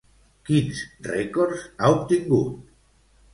Quins rècords ha obtingut?